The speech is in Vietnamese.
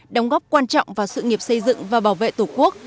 đóng góp quan trọng vào sự nghiệp xây dựng và bảo vệ tổ quốc